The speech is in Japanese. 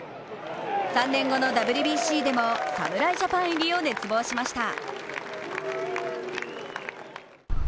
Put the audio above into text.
３年後のＷＢＣでも侍ジャパン入りを熱望しました。